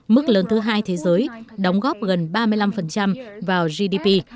mức lớn thứ hai thế giới đóng góp gần ba mươi năm vào gdp